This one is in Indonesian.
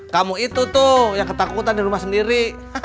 kamu itu tuh yang ketakutan di rumah sendiri